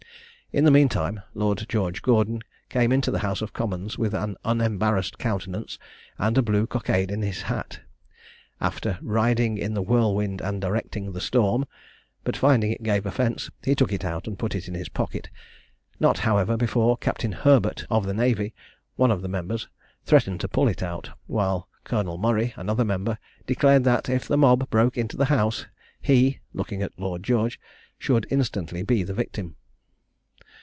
In the meantime, Lord George Gordon came into the House of Commons with an unembarrassed countenance, and a blue cockade in his hat, after "riding in the whirlwind and directing the storm;" but finding it gave offence he took it out and put it in his pocket; not however before Captain Herbert, of the navy, one of the members, threatened to pull it out; while Colonel Murray, another member, declared that, if the mob broke into the house, he (looking at Lord George) should instantly be the victim.